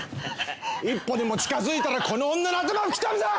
一歩でも近づいたらこの女の頭吹き飛ぶぞ！